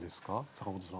阪本さん。